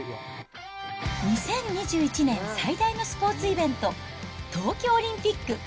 ２０２１年最大のスポーツイベント、東京オリンピック。